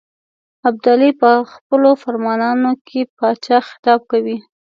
ابدالي په خپلو فرمانونو کې پاچا خطاب کوي.